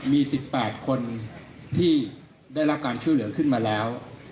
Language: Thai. มี๑๘คนที่ได้รับการช่วยเหลือขึ้นมาแล้ว